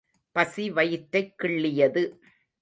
பசி வயிற்றைக் கிள்ளியது.